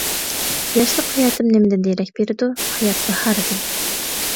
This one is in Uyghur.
ياشلىق ھاياتىم نېمىدىن دېرەك بېرىدۇ؟ ھايات باھارىدىن.